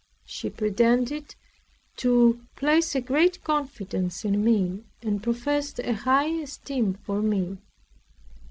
She pretended to place a great confidence in me, and professed a high esteem for me.